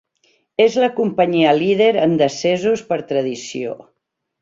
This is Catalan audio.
És la companyia líder en decessos per tradició.